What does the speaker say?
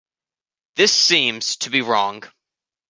This seems to be wrong.